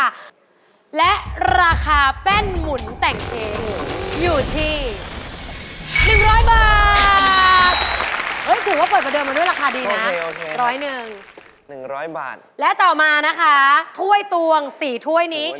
โอเคนะครับร้อยหนึ่งและต่อมานะคะถ้วยตวง๔ถ้วยนี้